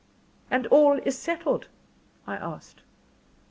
"And all is settled?" I asked.